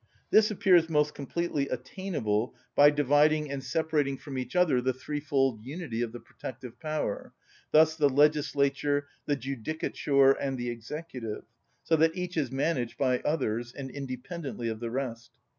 This appears most completely attainable by dividing and separating from each other the threefold unity of the protective power, thus the legislature, the judicature, and the executive, so that each is managed by others, and independently of the rest.